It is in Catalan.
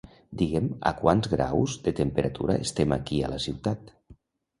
Digue'm a quants graus de temperatura estem aquí a la ciutat.